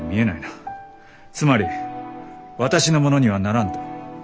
つまり私のものにはならんと？